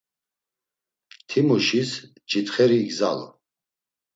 Timuşis ç̌itxeri igzalu.